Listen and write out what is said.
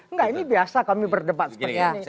enggak ini biasa kami berdebat seperti ini